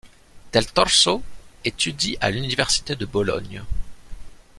Del Torso étudie à l'université de Bologne.